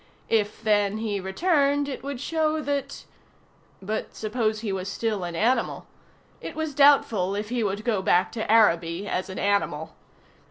If, then, he returned, it would show that But suppose he was still an animal? It was doubtful if he would go back to Araby as an animal.